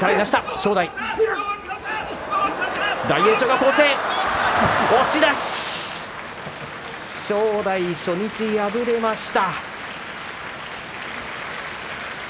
正代、初日、敗れました。